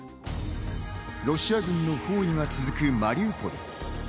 ロシア軍の包囲が続くマリウポリ。